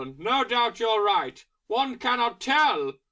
No doubt you're right.... One cannot tell!"